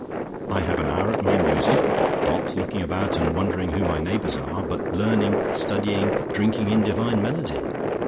I have an hour at my music not looking about and wondering who my neighbours are, but learning, studying, drinking in divine melody.